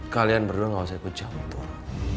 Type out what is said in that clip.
kalian berdua gak usah ikut jauh jauh